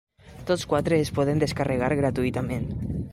Tots quatre es poden descarregar gratuïtament.